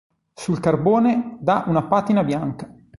Sul carbone dà una patina bianca.